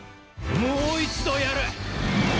もう一度やる！